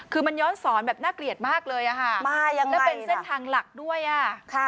คือมันย้อนศรแบบน่าเกลียดมากเลยอะค่ะและเป็นเส้นทางหลักด้วยอะ